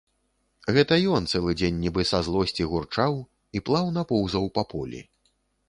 Гэта ён цэлы дзень нібы са злосці гурчаў і плаўна поўзаў па полі.